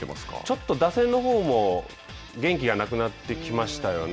ちょっと打線のほうも、元気がなくなってきましたよね。